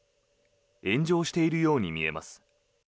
炎上しているように見えます。